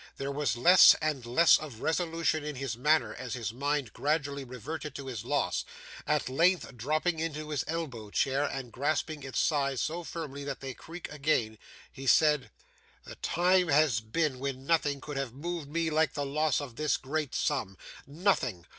There was less and less of resolution in his manner as his mind gradually reverted to his loss; at length, dropping into his elbow chair and grasping its sides so firmly that they creaked again, he said: 'The time has been when nothing could have moved me like the loss of this great sum. Nothing.